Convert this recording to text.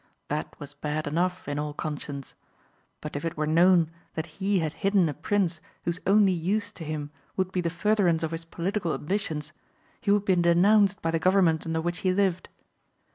That was bad enough in all conscience. But if it were known that he had hidden a prince whose only use to him would be the furtherance of his political ambitions he would be denounced by the government under which he lived.